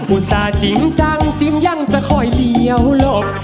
อุตส่าห์จริงจังจริงยังจะคอยเลี้ยวหลบ